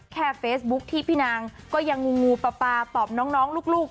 แค่เฟสบุ๊กที่พี่นางก็ยังงูลงูลปะปาตอบน้องน้องลูกลูก